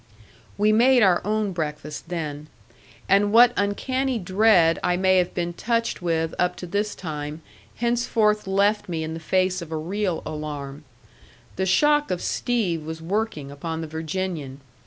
We made our own breakfast then. And what uncanny dread I may have been touched with up to this time henceforth left me in the face of a real alarm. The shock of Steve was working upon the Virginian.